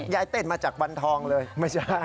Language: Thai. เต้นมาจากบันทองเลยไม่ใช่